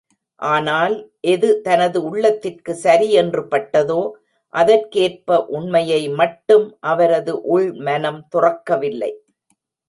ஆனால் எது தனது உள்ளத்திற்கு சரி என்று பட்டதோ அதற்கேற்ப உண்மையை மட்டும் அவரது உள்மனம் துறக்கவில்லை!